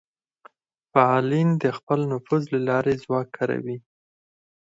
فعالین د خپل نفوذ له لارې ځواک کاروي